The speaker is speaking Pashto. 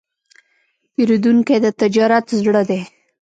پیرودونکی د تجارت زړه دی.